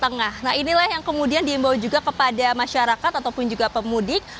nah inilah yang kemudian diimbau juga kepada masyarakat ataupun juga pemudik